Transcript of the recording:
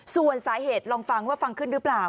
ส่วนสาเหตุลองฟังว่าฟังขึ้นหรือเปล่า